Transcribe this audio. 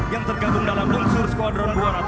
yang tergabung dalam unsur skuadron dua ratus